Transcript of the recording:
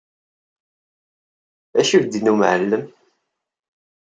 D acu i k-d-yenna umɛellem?